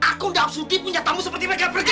aku udah absurdi punya tamu seperti mereka pergi